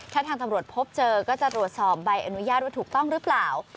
ถ้าทางตำรวจพบเจอก็จะตรวจสอบใบอนุญาตว่าถูกต้องหรือเปล่า